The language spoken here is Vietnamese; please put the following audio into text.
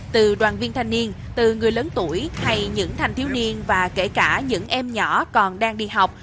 từ đoàn viên thanh niên từ người lớn tuổi hay những thanh thiếu niên và kể cả những em nhỏ còn đang đi học